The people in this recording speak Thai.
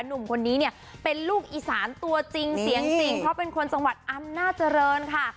หนุ่มคนนี้เนี่ยเป็นลูกอีสานตัวจริงเพราะเป็นคนสังวัติอำนาจริงค่ะ